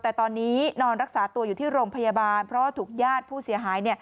แต่ตอนนี้นอนรักษาตัวอยู่ที่โรงพยาบาลเพราะว่าถูกญาติผู้เสียหาย